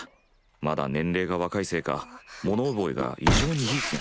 まだ年齢が若いせいか物覚えが異常にいい気がする。